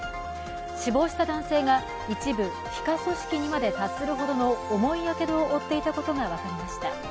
死亡した男性が一部皮下組織にまで達するほどの重いやけどを負っていたことが分かりました。